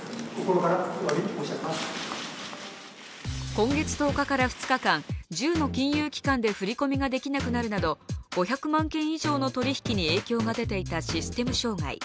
今月１０日から２日間、１０の金融機関で振り込みができなくなるなど５００万件以上の取り引きに影響が出ていたシステム障害。